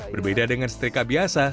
berbeda dengan setrika biasa